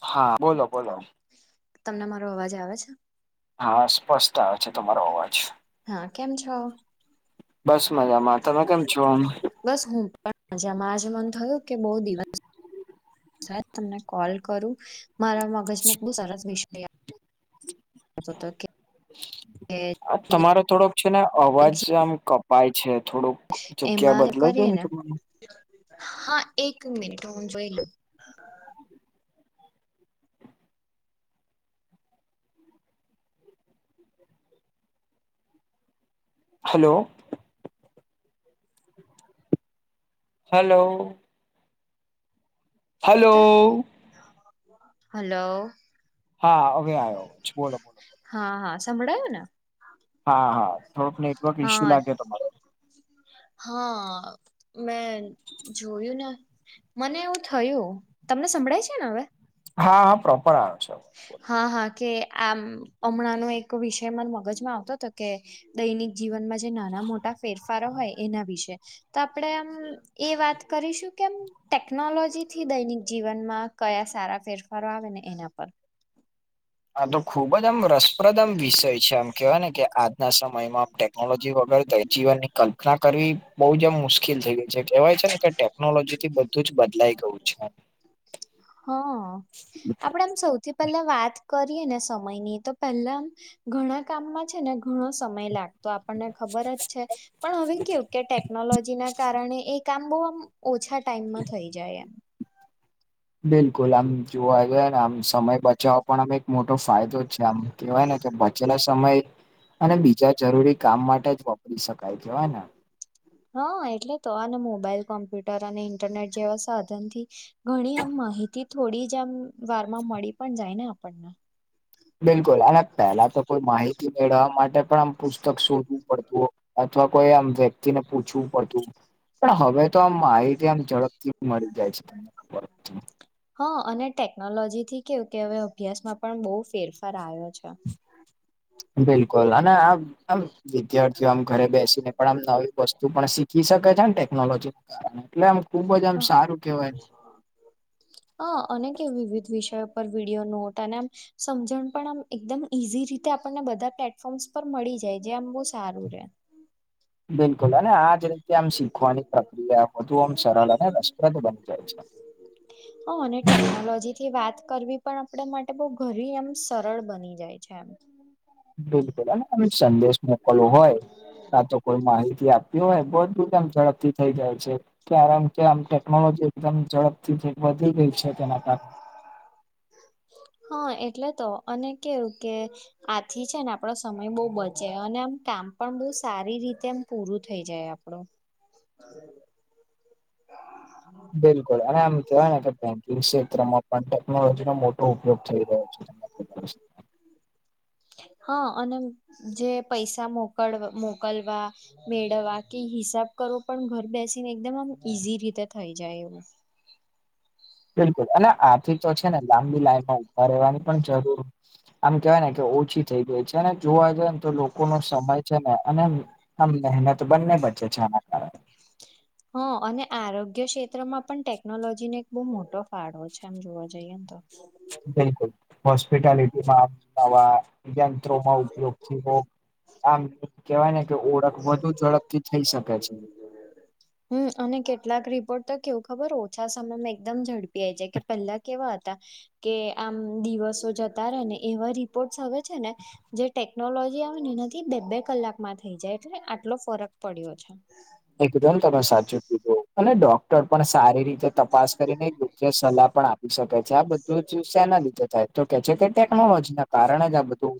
હા બોલો બોલો હા તમને મારો અવાજ આવે છે. હા સ્પષ્ટતા આવે છે તમારો અવાજ હા કેમ છો બસ મજામાં તમે કેમ છો બસ હું પણ મજામાં જ મન થયું કે બહુ દિવસ સાહેબ તમને કૉલ કરું મારા મગજને કેટલું સરસ વિષય આપ તમારો થોડોક છે ને અવાજ આમ કપ્ પાય છે થોડોક એમાં કરીને હા એક મિનિટ હું જોઈ લઉ હલો હાલો હલો લઉં હલો હા હવે આયો બોલો બોલો હા હા સંભળાયું ને હા હા થોડોક નેટવર્ક ઇશ્યુ હા લાગે તમારો હા મેં જોયું ને મને એવું થયું તમને સંભળાય છે ને હવે હા હા પ્રોપર આવે છે. હા હા કે આમ હમણાંનો એક વિષય મને મગજમાં આવતો તો કે દૈનિક જીવનમાં જે નાના-મોટા ફેરફારો હોય એના વિશે. તો આપણે આમ એ વાત કરીશું કેમ ટેકનોલોજીથી દૈનિક જીવનમાં કયા સારા ફેરફારો આવે ને એના પર. આ તો ખુબ જ આમ રસપ્રદ આમ વિષય છે, આમ કેવાય ને કે આજના સમયમાં ટે કનોલોજી વગર દૈ જીવનની કલ્પના કરવી બહુ જ આમ મુશ્કેલ થઈ ગઈ છે કેહવાય છે ને કે ટે કનોલોજીથી બધું જ બદલાઈ ગયું છે. હા આપણેે આમ સૌથી પહેલા વાત કરીએને સમયની તો પહેલા આમ ઘણા કામમાં છે ને ઘણો સમય લાગતો, આપણને ખબર જ છે. પણ હવે કેવું કે ટેકનોલોજીના કારણે એ કામ બવ આમ ઓછા ટાઈમમાં થઈ જાય એમ. બિલકુલ આમ. જોવા જઈએ ને આમ સમય બચાવવા પણ આમ એક મોટો ફાયદો જ છે આમ કેવાય ને કે બચેલા સ મય અને બીજા જરૂરી કામ માટે જ વપરી શકાય છે. હે ને? હા, એટલે તો આને મોબાઈલ કોમ્પ્યુટર અને ઇન્ટરનેટ જેવા સાધનથી ઘણી આમ માહિતી થોડી જ આમ વારમાં મળી પણ જાય ને આપણને. બિલકુલ અને પહેલા તો કોઈ માહિતી મેળવવા માટે પણ આમ પુસ્તક શોધવું પડતું. અથવા કોઈ આમ વ્યક્તિને પૂછવું પડતું, પણ હવે તો આમ માહિતી આમ ઝડપથી મળી જાય છે તમને ખબર [unintelligible] હા, અને ટેકનોલોજીથી કેવું કે હવે અભ્યાસમાં પણ બવ ફેરફાર આવ્યો છે. બિલકુલ અને આમ આમ વિદ્યાર્થીઓ આમ ઘરે બેસીને પણ આમ નવી વસ્ તું પણ શીખી શકે છે ને ટેકનોલોજીના કારણે એટલે આમ ખુબ જ આમ સારું કેહેવાય [inaudible] હ અને કે વિવિધ વિષયો પર વિડીયો નોટ અને આમ સમજણ પણ આમ એકદમ ઈઝી રીતે આપણને બધા પ્લેટફોર્મ્સ પર મળી જાય જે આમ બોવ સારું રહેે. બિલકુલ અને આજ રીતે આમ શીખવાની પ્રક્રિયા વધુ આમ સરળ અને રસપ્રદ બની જાય છે. હ અને ટેકનોલોજીથી વાત કરવી પણ આપડે માટે બવ ઘરી એમ સરળ બની જાય છે. [inaudible] બિલકુલ અને [unintelligible] સંદેશ મોકલવો હોય સાચો કોઈ માહિતી આપવી હોય, બધુ કામ ઝડપથી થઈ જાય છે. કારણ કે, આમ ટેકનોલોજી એકદમ ઝડપથી થી વધી ગઈ છે તેના કારણે. હા, એટલે તો અને કેવું કે આથી છે ને આપણો સમય બોવ બચે અને આમ કામ પણ બહુ સારી રીતે એમ પૂરું થઈ જાય આમ. [unintelligible] બિલકુલ, અને એમ કહેવાય ને કે બેંકિંગ ક્ષેત્રમાં પણ ટે કનોલોજીનો મોટો ઉપયોગ થઈ રહ્યો છે. તમને ખબર છે? હા, અને જે પૈસા મોકલ મોકલવા મેળવા કે હિસાબ કરો પણ ઘર બેસીને એકદમ આમ ઈઝી રીતે થઈ જાય એવું. બિલકુલ અને આથી તો છે ને લાંબી લાઈનમાં ઉભા રહેવાની પણ જરૂર આમ કેવાયને કે ઓછી થઈ ગઈ છે અને જોવા જઈને તો લોકોનો સમય છે ને અને આમ મહેનત બંન્ને બચે છે આના કારણે. હા, અને આરોગ્ય ક્ષેત્રમાં પણ ટેકનોલોજીને એક બહુ મોટો ફાળો છે, આમ જોવા જઈએન તો. બિલકુલ, હોસ્પિટાલિટીમાં નવા યંત્રોમાં ઉપયોગથી બોવ આમ કેવાયને કે ઓળખ વધુ ઝડપથી થઈ શકે છે. હમ, અને કેટલાક રિપોર્ટ તો કેવું ખબર ઓછા સમયમાં એકદમ ઝડપી આઈ જાય કે પહેલા કેવા હતા કે આમ દિવસો જતા રે, ને એવા રિપોર્ટસ આવે છે ને- -જે ટેકનોલોજી આવે ને એનાથી બે બે કલાકમાં - થઈ જાય છે ને, આટલો ફરક પડ્યો છે. એકદમ તમે સાચું કીધુ, અને ડો- -ડોક્ટર પણ સારી રીતે તપાસ કરીને ય યોગ્ય સલાહ પણ આપી શકે છે. આબધું જ શેના લીધે થાય? તો કે છે, કે ટેકનોલોજી ના કારણે જ આ બધું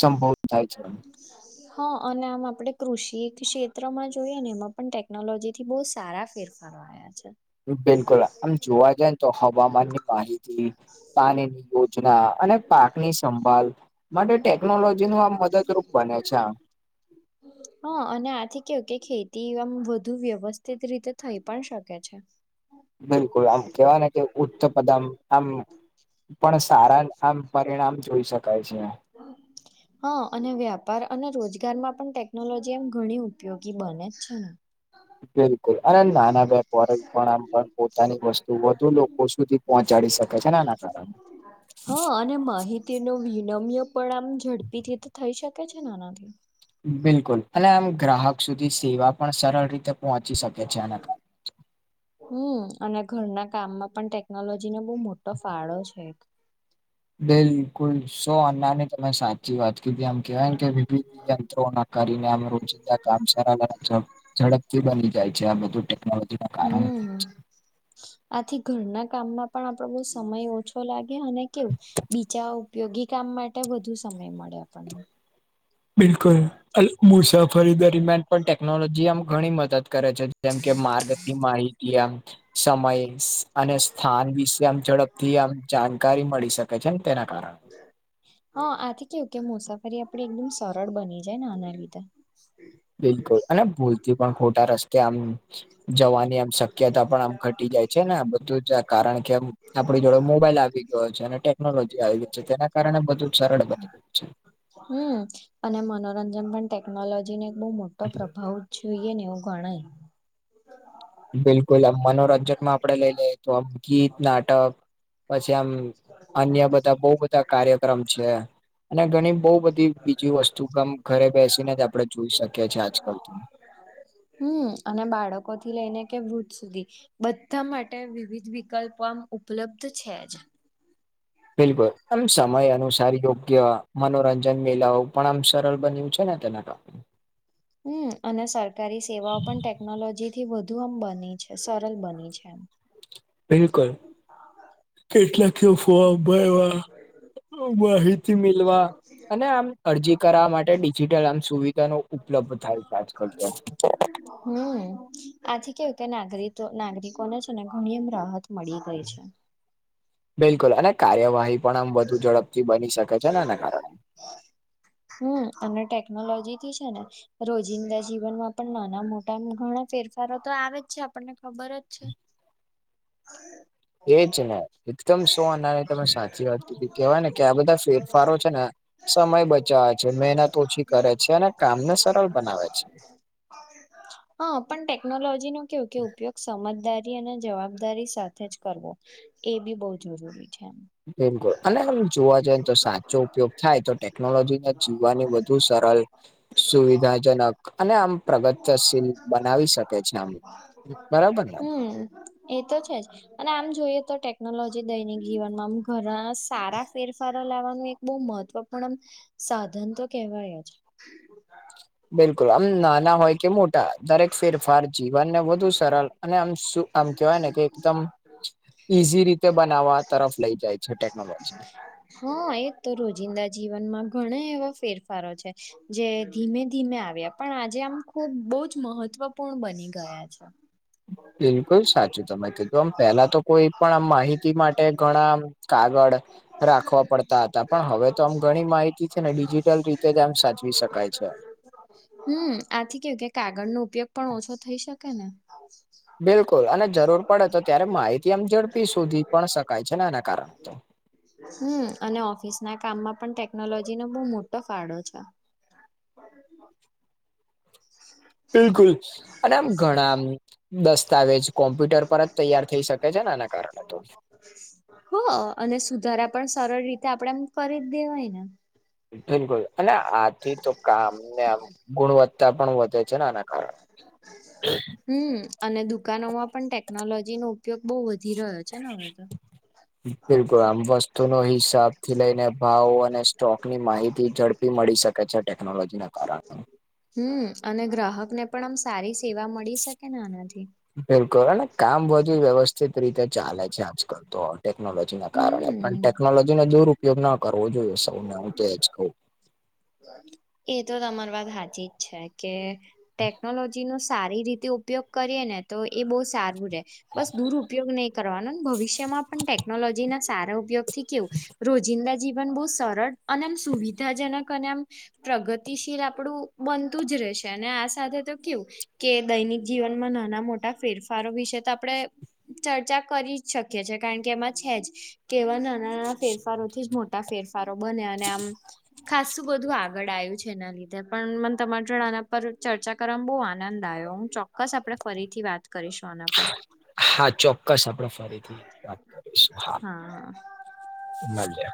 સંભવ થાય છે. નાહ લીયા હ અને આમ આપડે કૃષિ થી ક્ષેત્રમાં જોઈએ ને, એમાં પણ ટેકનોલોજી થી બહુ સારા ફેરફારો- આયા છે બિલકુલ, આમ જોવા જાઇન, તો હવામાન ની માહિતી, પાણીની યોજના- અને પાક ની સંભળ માટે ટેકનોલોજી નું આ મદદરૂપ બને છે. આમ- [unintelligible] હ, અને આથી કેવું, કે ખેતી આમ વધુ વ્યવસ્થિત રીતે થઈ પણ શકે છે. બીલકુલ, આમ કેવાય ને કે, ઉચ્ચ પદામ આમ- પણ સારા આમ પરિણામ જોઈ શકાય છે. [unintelligible] હ અને વ્યાપાર અને રોજગારમાં પણ ટેકનોલોજી એમ ઘણી ઉપયોગી બનેજ છેને? બિલકુલ, અને નાના વેપારી પણ આમ પણ પોતાની વસ્તુ વધુ લોકો સુધી- -પહોંચાડી શકેછે, આના કારણે. હા હ અને માહી- -તિનો વિનમ્ય પણ આમ ઝડપી થી તો થઈ શકે છે ને આનાથી. બિલકુલ, અને આમ ગ્રાહક સુધી સેવા પણ સરળ રીતે પહોંચી શકે છે. આના કારણે- હમ, અને ઘરના કામમાં પણ ટેકનોલોજીને બહુ મોટો ફાળો છે એક. બિલકુલ, સો અન્ના ની તમે સાચી વાત કીધી આમ- કેવાય કે, વિવિધ યંત્રો ના કરીને આમ રોજિંદા કામ સારા બને ઝડપ- ઝડપ થી બની જાય આબધું ટેકનોલોજી - હમમ આથી ઘરના કામમાં પણ આપડો બૌ સમય ઓછો લાગે અને કેવું? બીજા ઉપયોગી કામ માટે વધુ સમય મળે આપણને. બિલકુલ અને મુસાફરી દરમિયાન પણ ટેકનોલોજી આમ ઘણી મદદ- -કરે છે. જેમ કે માર્ગથી માહિતી, આમ સમય- અને સ્થાન વિશે આમ ઝડપથી આમ જાણકારી મળી શકે છેન તેના કારણે.. હ આથી કેવું કે, મુસાફરી આપડી એકદમ સરળ બની જાય ન આના લીધે. બિલકુલ, અને ભૂલથી પણ ખોટા રસ્તે આમ જવાની આમ - શક્યતા પણ આમ ઘટી જાય છે. ને આ બધું જ કારણ કે આપણી જોડે મોબાઈલ આવી ગયો છે. ને ટે- ટેકનોલોજી આવી ગઇ છે, તેના કારણે બધું સરળ બની ગયું છે. હમ, અને મનોરંજન પણ ટેકનોલોજી ને એક બઉ મોટો પ્રભાવ જોઈએ ને એવું. કોણ ઈ [unintelligible] બિલકુલ, આમ મનોરંજનમાં આપડે લઈ લઈએ તો આમ ગીત, નાટક- -પછી આમ અન્ય બધા બઉ બધા કાર્યક્રમ છે. અને ઘણી બહુ બધી બીજી વસ્તુ કામ ઘરે બેસીને જ આપણે જોઈ શકીએ છીએ આજકાલ. હમ અને બાળકો થી લઈને કે વૃદ્ધ સુધી- બધા માટે વિવિધ વિકલ્પ આમ ઉપલબ્ધ છેજ. બિલકુલ, આમ સમય અનુસાર યોગ્ય મનોરં- જનમેલા ઓ પણ આમ સરળ બન્યું છે ને તેના માટે હમ્મ, અને સરકારી સેવાઓ પણ ટેકનોલોજી થી વધુ આમ બની છે, સરલ બની છે એમ બિલકુલ કેટલાક તો [inaudible] હોય એવા અ માહિતી મીલવા અને આમ અરજી કરાવા માટે ડિજિટલ આમ સુવિધાનો ઉપલબ્ધ થાય છે આજકાલ તો હમ્મ, આથી કેવું કે નાગરિક નાગરિકો છે ને ઘણી રાહત મળી ગઈ છે બિલકુલ અને કાર્યવાહી પણ આમ વધુ ઝડપથી બની શકે છે ને આના કારણે હમ્મ, અને ટેકનોલોજી થી છે ને રોજિંદા જીવનમાં પણ નાના મોટા આમ ઘણા ફેરફારો તો આવે જ છે આપણને ખબર જ છે. [inaudible] એજ ને એકદમ સોઆના ની તમે સાચી વાત કીધી, કેવાય ને કે આ બધા ફેરફારો છે ને સમય બચાવે છે, મહેનત ઓછી કરે છે, અને કામને સરળ બનાવે છે. હા, પણ ટેકનોલોજી નું કેવું કે ઉપયોગ સમજદારી અને જવાબ દારી સાથે જ કરવો, એ બી બહું જરૂરી છે. બિલકુલ અને આમ જોવા જાય તો સાચો ઉપયોગ થાય તો ટેકનોલોજીમા જીવવાની વધુ સરળ સુવિધાજનક અને આમ પ્રગત્યશીલ બનાવી શકે છે આમ બરાબર ને હમ્મ, એતો છે જ અને આમ જોઈએ તો ટેકનોલોજી દૈનિક જીવનમાં આમ ઘણા સારા ફેરફારો લાવવાનું એક બહુ મહત્વપૂર્ણ આમ સાધન તો કેહેવાય જ બિલકુલ આમ નાના હોય કે મોટા દરેક ફેરફાર જીવનને વધુ સરળ અને આમ સુું આમ કેવાય ને કે એકદમ, ઈઝી રીતે બનાવવા તરફ લઇ જાય છે ટેકનોલોજી હા એ તો રોજિંદા જીવનમાં ઘણા એવા ફેરફારો છે, જે ધીમે ધીમે આવ્યા પણ આજે આમ ખુબ બહુ જ મહત્વપૂર્ણ બની ગયા છે. બિલકુલ સાચું તમે કીધું, આમ પેલા તો કોઈ પણ આમ માહિતી માટે ઘણા આમ કાગળ રાખવા પડતા હતા, પણ હવે તો આમ ઘણી માહિતી છે ને ડિજિટલ રીતે જ આમ સાચવી શકાય છે. હમ્મ, આથી કેવું કે કાગળનો ઉપયોગ પણ ઓછો થઈ શકે ને બિલકુલ અને જરૂર પડે તો ત્યારે માહિતી આમ ઝડપી સોધી પણ શકાય છે ને એના કારણે તો હમ્મ, અને ઓફિસ ના કામમાં પણ ટેકનોલોજી નો બહુ મોટો ફાળો છે. [unintelligible] [inaudible] બિલકુલ અને આમ ઘણા આમ દસ્તાવેજ કોમ્પ્યુટર પર જ તૈયાર થઈ શકે છે ને એના કારણે તો હ, અને સુધારા પણ સરળ રીતે આપણેે એમ કરીજ દેવાયને. બિલકુલ અને આથી તો કામને આમ ગુણવત્તા પણ વધે જેના આના કારણે હમ્મ, અને દુકાનોમાં પણ ટેકનોલોજી નો ઉપયોગ બહુ વધી રહ્યો છે, ને હવે તો બિલકુલ આમ વસ્તુ નો હિસાબ થી લઈને ભાવ અને સ્ટોક ની માહિતી ઝડપ પી મળી શકે છે ટેકનોલોજી ના કારણે. હમ્મ, અને ગ્રાહક ને પણ આમ સારી સેવા મળી શકે ને આનાથી. બિલકુલ, અને કામ વધી વ્યવસ્થિત રીતે ચાલે છે આજકાલ તો ટેકનોલોજી જેને કારણે પણ હમ. ટેકનોલોજીનો દુરપયોગ ન કરવો જોઈએ સૌને હું તો એજ કવ એતો તમારી વાત હાચીજ છે કે ટેકનોલોજી નો સારી રીતે ઉપયોગ કરીએ ને તો એ બહુ સારું રહે. બસ દુરઉપયોગ નહીં કરવાનો. ને ભવિષ્ ષ્યમાં પણ ટેકનોલોજીના સારા ઉપયોગથી કેવું, રોજિંદા જીવન બહુ સરળ અને આમ સુવિધાજનક ક અને આમ પ્રગતિશીલ આપણું બનતું જ રહેશે. અને આ સાથે તો કેવું કે દૈનિક જીવનમાં નાના-મોટા ફેરફારો વિશે તો આપણેે ચર્ચા કરી જ શકીએ છે, કારણ કે એમાં છે જ. કેવા નાના-નાના ફેરફારોથી જ મોટ ટા ફેરફારો બને. અને આમ ખાસું બધું આગળ આયું છે એના લીધે. પન મને તમારે જો આના પર ચર્ચા કરવામાં બહુ આનંદ આયો. ચોક ક્સ આપણે ફરીથી વાત કરીશું આના પર. હા, ચોક્કસ આપણે ફરીથી વાત કરીશું, હા. મલીએ.